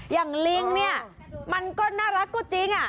อย่างลิ้งเนี่ยมันก็น่ารักกว่าจริง